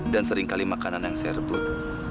dan seringkali makanan yang saya rebut